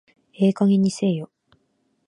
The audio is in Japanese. ええ加減にせえよ